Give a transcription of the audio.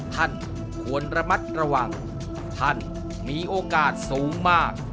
ท่านควรระมัดระวังท่านมีโอกาสสูงมาก